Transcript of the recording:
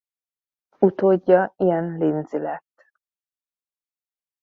Utódja Iain Lindsay lett.